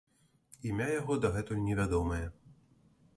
Імя яго дагэтуль невядомае.